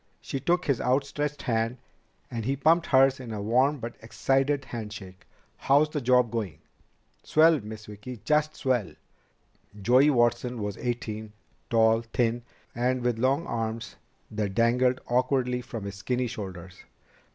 She took his outstretched hand, and he pumped hers in a warm but excited handshake. "How's the job going?" "Swell, Miss Vicki! Just swell!" Joey Watson was eighteen, tall, thin, and with long arms that dangled awkwardly from his skinny shoulders.